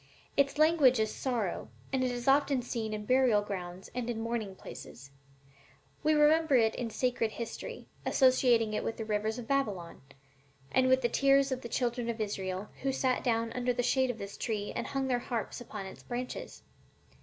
Its language is 'sorrow,' and it is often seen in burial grounds and in mourning pictures. 'We remember it in sacred history, associating it with the rivers of Babylon, and with the tears of the children of Israel, who sat down under the shade of this tree and hung their harps upon its branches.